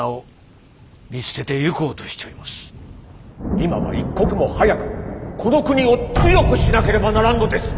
今は一刻も早くこの国を強くしなければならんのです！